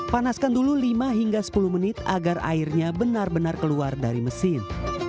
panaskan dulu lima hingga sepuluh menit agar airnya benar benar keluar dari mesin